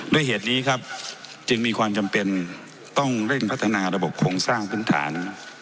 ด้วยเหตุนี้ครับจึงมีความจำเป็นต้องเร่งพัฒนาระบบโครงสร้างพื้นฐาน